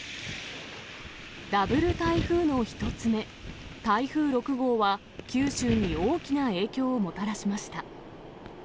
ダブル台風の１つ目、台風６号は九州に大きな影響をもたらしました。